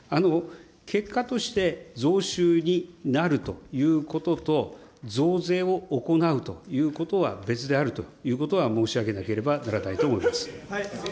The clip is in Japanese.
結果として、増収になるということと、増税を行うということは別であるということは申し上げなければならないと思います。